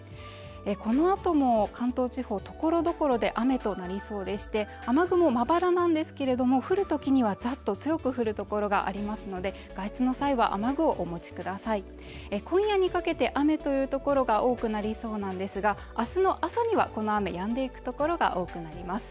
このあとも関東地方ところどころで雨となりそうでして雨雲まばらなんですけれども降るときにはざっと強く降るところがありますので外出の際は雨具をお持ちください今夜にかけて雨という所が多くなりそうなんですが明日の朝にはこの雨やんでいく所が多くなります